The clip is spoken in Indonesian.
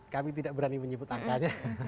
kami tidak berani menyebut angkanya